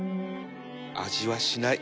味はしない